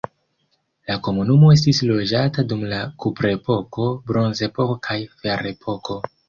La komunumo estis loĝata dum la kuprepoko, bronzepoko, kaj ferepoko.